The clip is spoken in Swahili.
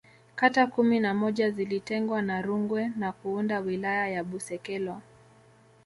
kata kumi na moja zilitengwa na Rungwe na kuunda Wilaya ya Busekelo